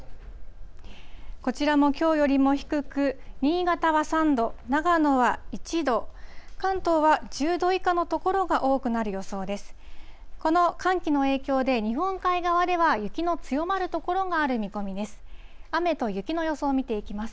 こちらもきょうよりも低く、新潟は３度、長野は１度、関東は１０度以下の所が多くなる予想です。